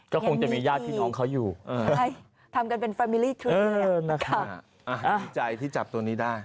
ก็คงจะมีญาติที่น้องเขาอยู่